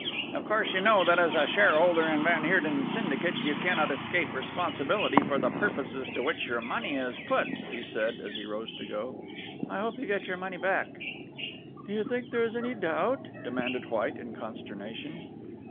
"Of course you know that as a shareholder in van Heerden's syndicate you cannot escape responsibility for the purposes to which your money is put," he said, as he rose to go. "I hope you get your money back." "Do you think there is any doubt?" demanded White, in consternation.